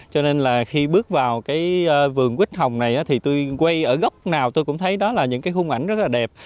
cho nên là khi bước vào cái vườn quýt hồng này thì tôi quay ở gốc nào tôi cũng thấy đó là những cái khung ảnh rất là đẹp